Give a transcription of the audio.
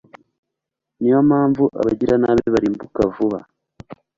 ni yo mpamvu abagiranabi barimbuka vuba